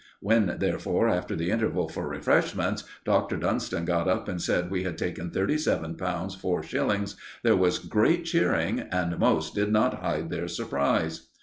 When, therefore, after the interval for refreshments, Dr. Dunston got up and said we had taken thirty seven pounds four shillings, there was great cheering, and most did not hide their surprise.